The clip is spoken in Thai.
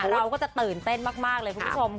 เราก็จะตื่นเต้นมากเลยคุณผู้ชม